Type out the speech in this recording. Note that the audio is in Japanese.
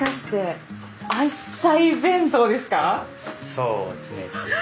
そうですね。